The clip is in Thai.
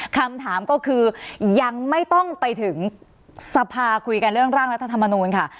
คำถามก็คือยังไม่ต้องไปถึงสภาคุยกันเรื่องร่างรัฐธรรมนูลค่ะ